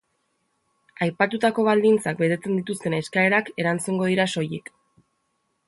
Aipatutako baldintzak betetzen dituzten eskaerak erantzungo dira soilik.